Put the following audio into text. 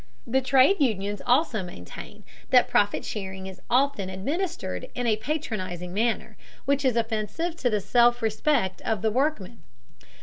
The trade unions also maintain that profit sharing is often administered in a patronizing manner, which is offensive to the self respect of the workmen.